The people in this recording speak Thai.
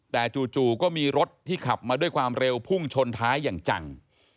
แต่จู่ก็มีรถที่ขับมาด้วยความเร็วพุ่งชนท้ายอย่างจัง